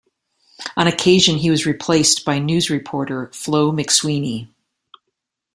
On occasion he was replaced by news reporter Flow McSweeney.